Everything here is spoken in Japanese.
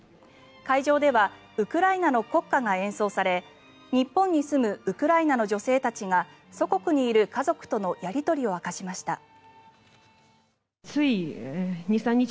会場ではウクライナの国歌が演奏され日本に住むウクライナの女性たちが祖国にいる家族とのやり取りを明かしました。